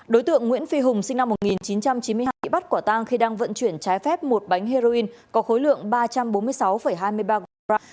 đối tượng nguyễn phi hùng sinh năm một nghìn chín trăm chín mươi hai bắt quả tang khi đang vận chuyển trái phép một bánh heroin có khối lượng ba trăm bốn mươi sáu hai mươi ba gram